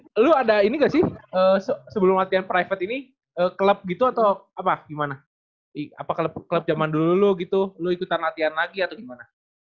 eh tapi lu ada ini gak sih sebelum latihan private ini klub gitu atau apa gimana apa klub jaman dulu lu gitu lu ikutan latihan lagi atau gimana